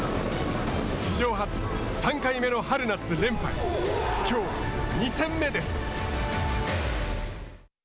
史上初、３回目の春夏連覇へきょう２戦目です！